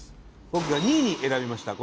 僕が２位に選びました